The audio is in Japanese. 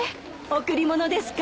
贈り物ですか？